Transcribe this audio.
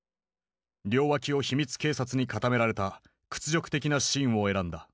両脇を秘密警察に固められた屈辱的なシーンを選んだ。